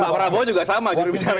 pak prabowo juga sama juru bicara